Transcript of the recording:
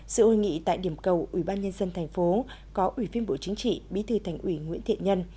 sự hội nghị tại điểm cầu ubnd tp hcm có ubnd bí thư thành ủy nguyễn thiện nhân